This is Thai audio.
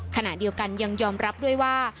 ขณะเดียวกันยังยอมรับด้วยว่า